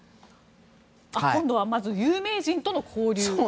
今度は、まず有名人との交流。